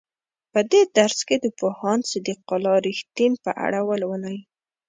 په دې درس کې د پوهاند صدیق الله رښتین په اړه ولولئ.